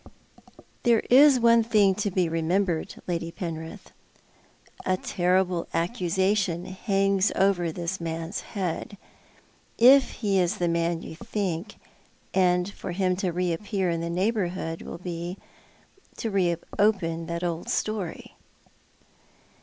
" There is one thing to be remembered. Lady Penrith. A terrible accusation hangs over this man's head — if he is the man you think — and for him to reappear in the neighbourhood will be to re open that old story."